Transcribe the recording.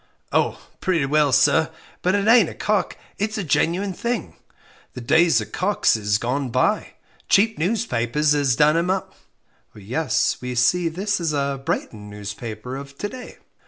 "Oh, pretty well, sir; but it ain't a 'cock,' it's a genuine thing the days of cocks is gone bye cheap newspapers 'as done 'em up." "Yes; we see this is a Brighton newspaper of to day."